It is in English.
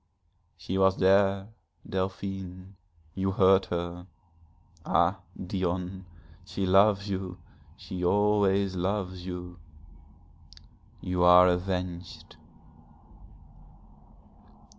'She was there Delphine you heard her. Ah, Dion, she loves you, she always loves you, you are avenged.'